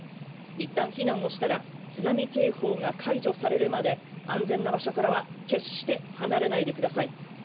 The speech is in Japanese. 一旦避難をしたら、津波警報が解除されるまで、安全な場所からは決して離れないでください。